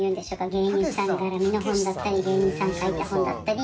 芸人さん絡みの本だったり芸人さんが書いた本だったり。